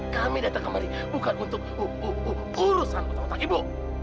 kami datang kemari bukan untuk urusan hutang hutang ibu